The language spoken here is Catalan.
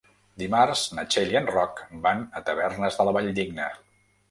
Dimarts na Txell i en Roc van a Tavernes de la Valldigna.